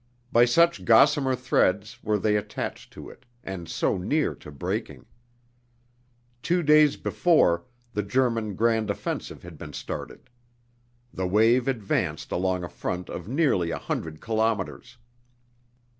By such gossamer threads were they attached to it and so near to breaking! Two days before, the German grand offensive had been started. The wave advanced along a front of nearly a hundred kilometers.